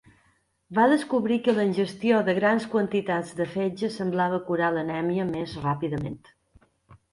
Va descobrir que la ingestió de grans quantitats de fetge semblava curar l'anèmia més ràpidament.